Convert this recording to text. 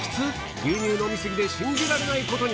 牛乳飲み過ぎで信じられないことに。